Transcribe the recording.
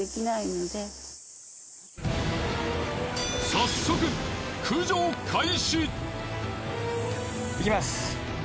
早速いきます。